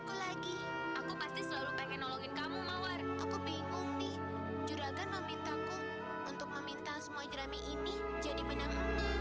aku bingung di juragan memintaku untuk meminta semua jerami ini jadi benar